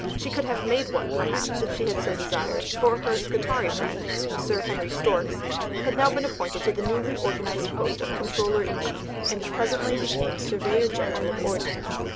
She could have made one, perhaps, if she had so desired; for her Scutari friend, Sir Henry Storks, had now been appointed to the newly organized post of Controller in Chief, and presently became Surveyor General of Ordnance.